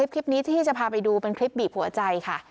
คลิปนี้ที่จะพาไปดูเป็นคลิปบีบหัวใจค่ะ